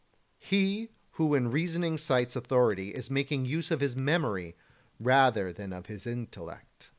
He who in reasoning cites authority is making use of his memory rather than of his intellect.